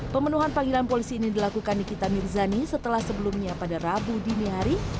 pemenuhan panggilan polisi ini dilakukan nikita mirzani setelah sebelumnya pada rabu dini hari